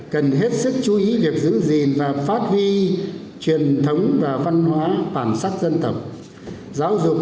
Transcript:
cần hết sức chú ý việc giữ gìn và phát huy truyền thống và văn hóa bản sắc dân tộc giáo dục